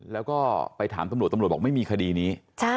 แล้วก็ไปถามตำรวจตำรวจบอกไม่มีคดีนี้